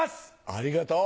ありがとう。